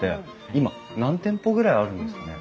今何店舗ぐらいあるんですかね？